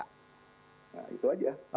nah itu saja